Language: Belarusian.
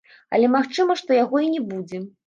Але магчыма, што яго і не будзе.